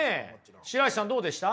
白石さんどうでした？